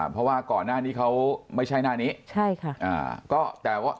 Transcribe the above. เพราะว่าก่อนหน้านี้เขาไม่ใช่หน้านี้ใช่ค่ะ